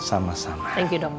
terima kasih banyak ya dokter ya